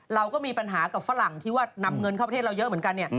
เราก็มีปัญหากับฝรั่งที่ว่านำเงินเข้าประเทศเราเยอะเหมือนกันเนี่ย